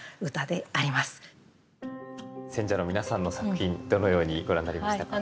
選者の皆さんの作品どのようにご覧になりましたか？